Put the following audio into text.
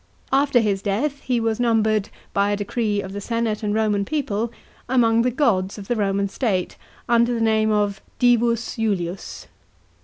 After his death he was numbered, by a decree of the senate and Roman people, among the gods of the Roman state, under the name of divus Julius.